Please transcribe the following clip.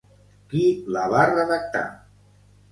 Qui la va redactar?